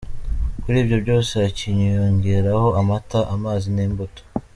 Kuri ibyo byose hakiyongeraho amata, amazi n’imbuto.